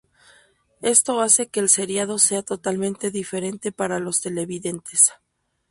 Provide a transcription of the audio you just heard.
Esto hace que el seriado sea totalmente diferente para los televidentes.